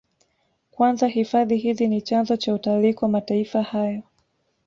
Kwanza hifadhi hizi ni chanzo cha utalii kwa mataifa hayo